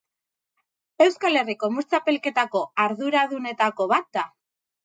Euskal Herriko Mus Txapelketako arduradunetako bat da.